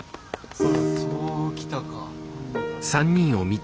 そう来たか。